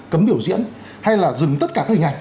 cấm biểu diễn hay là dừng tất cả các hình ảnh